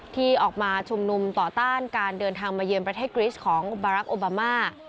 ที่ออกมาชุมนุมต่อต้านการเดินทางมาเยือนประเทศกริสของอุบารักษ์โอบามา